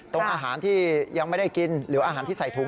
อาหารที่ยังไม่ได้กินหรืออาหารที่ใส่ถุง